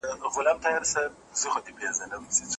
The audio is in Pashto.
د حق ناره له ګمراهانو سره ښه جوړیږي